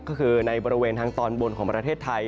ก็คือในบริเวณทางตอนบนของประเทศไทย